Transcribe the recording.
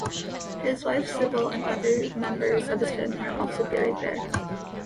His wife Sybil and other members of his family are also buried there.